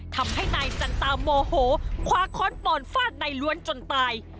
ทำให้นายจันตามโมโหคว้าค้อนปอนฟาดนายล้วนจนตาย